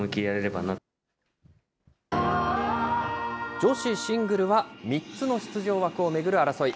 女子シングルは、３つの出場枠を巡る争い。